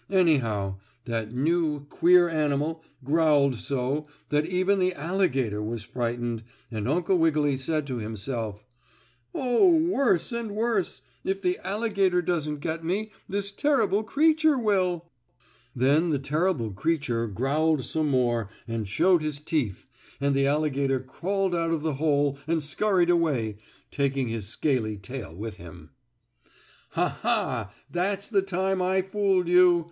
Anyhow, that new, queer animal growled so that even the alligator was frightened, and Uncle Wiggily said to himself: "Oh, worse and worse! If the alligator doesn't get me this terrible creature will!" Then the terrible creature growled some more and showed his teeth and the alligator crawled out of the hole and scurried away, taking his scaly tail with him. "Ha! Ha! That's the time I fooled you!"